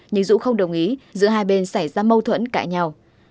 nhưng dũng không đồng ý giữa hai bên xảy ra mâu thuẫn cãi nhau